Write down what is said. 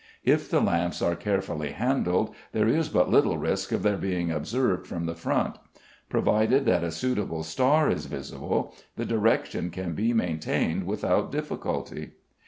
If the lamps are carefully handled there is but little risk of their being observed from the front. Provided that a suitable star is visible, the direction can be maintained without difficulty.